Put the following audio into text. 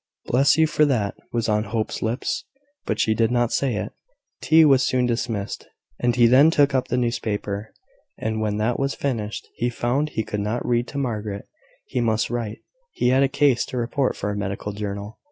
"Bless you for that!" was on Hope's lips; but he did not say it. Tea was soon dismissed, and he then took up the newspaper; and when that was finished, he found he could not read to Margaret he must write: he had a case to report for a medical journal.